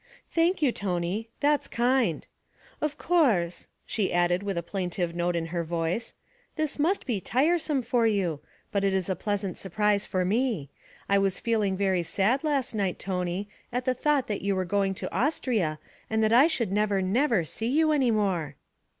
'Thank you, Tony, that's kind. Of course,' she added with a plaintive note in her voice, 'this must be tiresome for you; but it is a pleasant surprise for me. I was feeling very sad last night, Tony, at the thought that you were going to Austria and that I should never, never see you any more.'